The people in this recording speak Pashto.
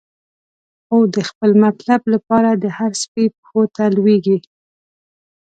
خو د خپل مطلب لپاره، د هر سپی پښو ته لویږی